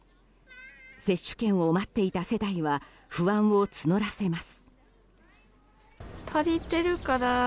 接種券を持っていた世帯は不安を募らせます。